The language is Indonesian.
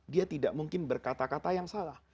dia tidak mungkin berkata kata yang salah